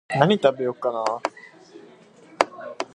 His uncle is cardinal Baldassare Cenci (seniore).